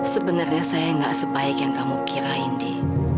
sebenarnya saya nggak sebaik yang kamu kirain di